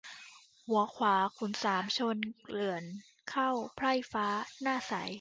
หัวขวาขุนสามชนเกลื่อนเข้า ไพร่ฟ้าหน้าใส